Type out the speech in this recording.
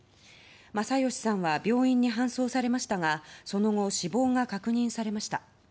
昌良さんは病院に搬送されましたがその後、死亡が確認されました。